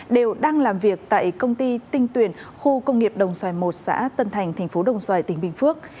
đều đang làm việc tại công ty tinh tuyển khu công nghiệp đồng xoài một xã tân thành thành phố đồng xoài tỉnh bình phước